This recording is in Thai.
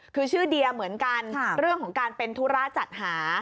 คือชื่อเดียเหมือนกันเรื่องของการเป็นธุระจัดหา